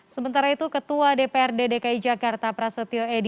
sementara itu ketua dpr dki jakarta prasetyo edy morsudi